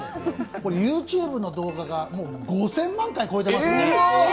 これＹｏｕＴｕｂｅの動画が５０００万回を超えてますから。